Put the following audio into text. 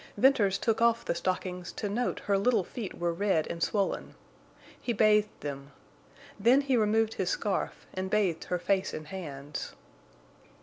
Venters took off the stockings to note her little feet were red and swollen. He bathed them. Then he removed his scarf and bathed her face and hands.